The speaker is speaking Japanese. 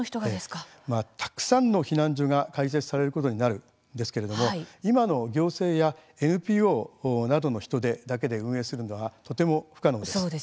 たくさんの避難所が開設されることになるんですけれども今の行政やＮＰＯなどの人手だけで運営するのはとても不可能です。